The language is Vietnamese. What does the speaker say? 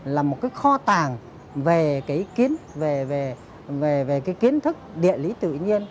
là một cái kho tàng về cái kiến thức địa lý tự nhiên